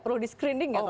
perlu di screening gak